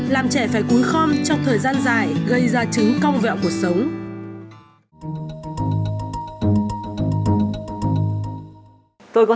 làm trẻ phải cúi khom trong khi hệ xương còn chưa hoàn thiện